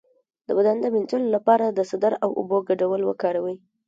د بدن د مینځلو لپاره د سدر او اوبو ګډول وکاروئ